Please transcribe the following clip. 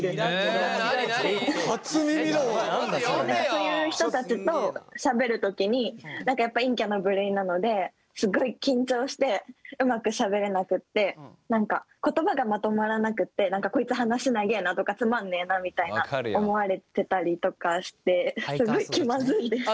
そういう人たちとしゃべるときにやっぱ陰キャな部類なのですごい緊張してうまくしゃべれなくって何か言葉がまとまらなくってこいつ話長えなとかつまんねえなみたいな思われてたりとかしてすごい気まずいです。